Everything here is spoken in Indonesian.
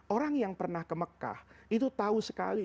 orang yang pernah ke mekah itu tahu sekali